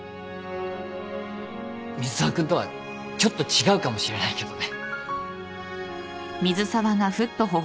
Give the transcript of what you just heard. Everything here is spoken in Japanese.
水沢君とはちょっと違うかもしれないけどね。